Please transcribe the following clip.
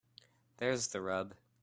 There's the rub